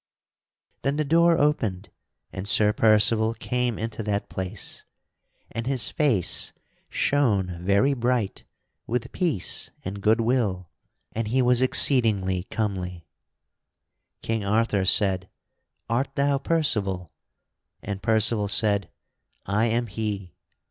Then the door opened and Sir Percival came into that place, and his face shone very bright with peace and good will; and he was exceedingly comely. [Sidenote: Sir Percival is received with joy] King Arthur said, "Art thou Percival?" And Percival said, "I am he."